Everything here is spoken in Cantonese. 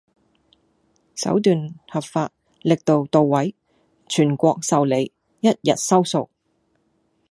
手段合法!力度到位!全國受理!一日收數!